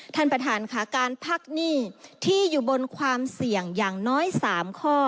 ท่านประธานค่ะการพักหนี้ที่อยู่บนความเสี่ยงอย่างน้อย๓ข้อ